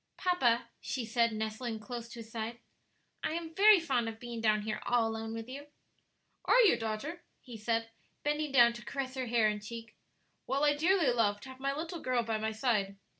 "Papa," she said, nestling close to his side, "I am very fond of being down here all alone with you." "Are you, daughter?" he said, bending down to caress her hair and cheek. "Well, I dearly love to have my little girl by my side.